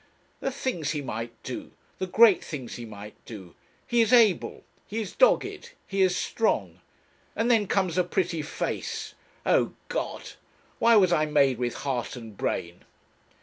"The things he might do, the great things he might do. He is able, he is dogged, he is strong. And then comes a pretty face! Oh God! Why was I made with heart and brain?"